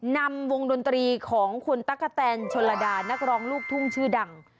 นำวงดนตรีของคุณตั๊กกะแตนชนลดานักร้องลูกทุ่งชื่อดัง